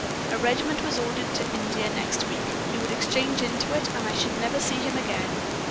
A regiment was ordered to India next week; he would exchange into it, and I should never see him again.